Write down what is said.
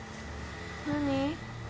何？